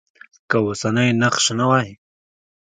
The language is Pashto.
که اوسنی نقش نه وای.